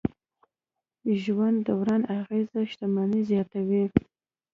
ژوند دوران اغېزې شتمني زیاتوي.